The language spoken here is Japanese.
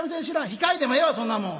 「弾かいでもええわそんなもん」。